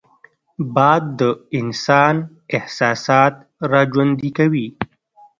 باد د انسان احساسات راژوندي کوي